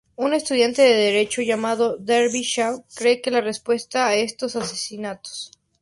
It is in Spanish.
Una estudiante de derecho llamado Darby Shaw cree tener la respuesta a estos asesinatos.